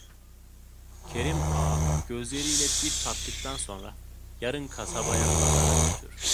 Kerim Ağa, gözleriyle bir tarttıktan sonra: "Yarın kasabaya pazara götür."